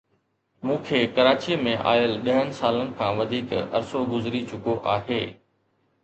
مون کي ڪراچيءَ ۾ آيل ڏهن سالن کان وڌيڪ عرصو گذري چڪو آهي